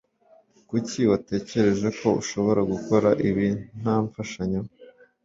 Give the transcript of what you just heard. Kuki watekereje ko ushobora gukora ibi nta mfashanyo?